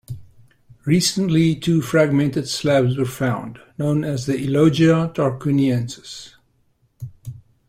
Recently two fragmented slabs were found known as the Elogia Tarquiniensis.